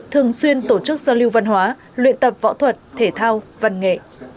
thường xuyên tổ chức giao lưu văn hóa luyện tập võ thuật thể thao văn nghệ